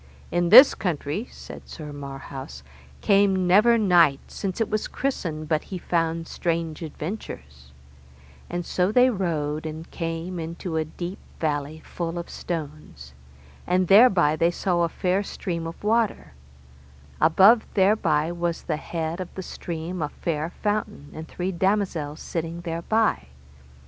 In this country, said Sir Marhaus, came never knight since it was christened but he found strange adventures; and so they rode, and came into a deep valley full of stones, and thereby they saw a fair stream of water; above thereby was the head of the stream a fair fountain, and three damosels sitting thereby.